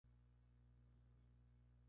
Se daba a cada enfermo un trato personalizado.